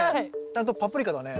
ちゃんとパプリカだね。